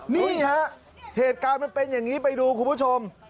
นี่ฮะเหตุการณ์มันเป็นอย่างนี้ไปดูคุณผู้ชม